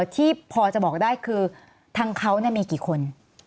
ที่พอจะบอกได้คือทางเขามีกี่คน